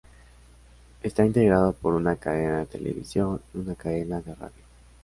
Está integrado por una cadena de televisión y una cadena de radio.